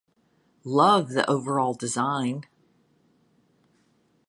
Love the overall design!